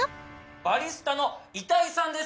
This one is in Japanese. バリスタの板井さんです